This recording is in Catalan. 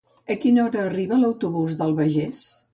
A quina hora arriba l'autobús de l'Albagés?